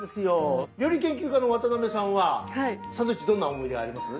料理研究家の渡辺さんはサンドイッチどんな思い出あります？